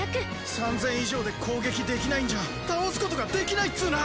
３０００以上で攻撃できないんじゃ倒すことができないっツーナ！